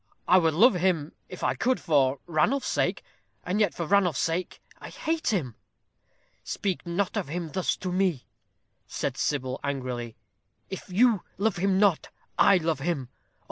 I would love him, if I could, for Ranulph's sake; and yet for Ranulph's sake I hate him." "Speak not of him thus to me," said Sybil, angrily. "If you love him not, I love him. Oh!